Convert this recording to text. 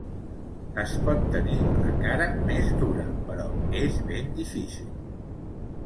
Es pot tenir la cara més dura, però és ben difícil.